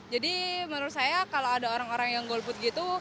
jadi menurut saya kalau ada orang orang yang golput gitu